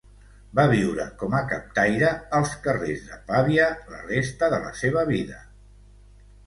Va viure com a captaire als carrers de Pavia la resta de la seva vida.